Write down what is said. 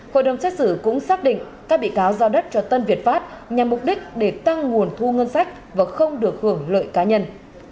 hội đồng xét xử cũng xác định các bị cáo giao đất cho tân việt pháp nhằm mục đích để tăng nguồn thu ngân sách và không được hưởng lợi cá nhân